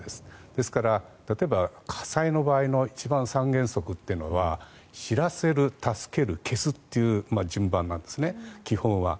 ですから、例えば火災の場合の一番、三原則というのは知らせる、助ける、消すという順番なんですね、基本は。